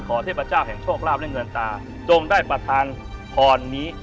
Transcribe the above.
เทพเจ้าแห่งโชคลาภและเงินตาจงได้ประธานพรนี้